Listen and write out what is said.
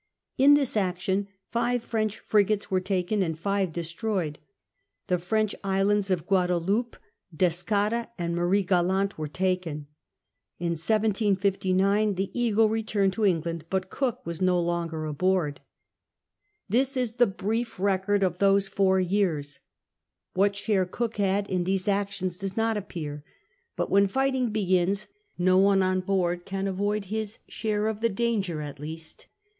In this action five French frigates were taken and five destroyed. The French islands of Guadaloupe, Descada^ and Marie Galante were taken. In 1759 the Eagle re turned to England, but Cook was no longer aboard. CAPTAIN COON OHAr. This is the brief record of those four years* What share Cook had in these actions does not appear. But when fighting begins, no one on boat'd can avoid his share of the danger at least.